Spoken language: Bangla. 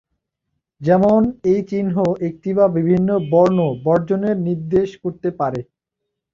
যেমন এই চিহ্ন একটি বা বিভিন্ন বর্ণ বর্জনের নির্দেশ করতে পারে।